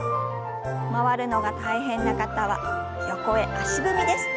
回るのが大変な方は横へ足踏みです。